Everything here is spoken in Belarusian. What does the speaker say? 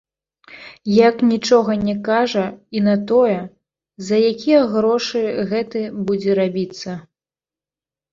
Як нічога не кажа і на тое, за якія грошы гэты будзе рабіцца.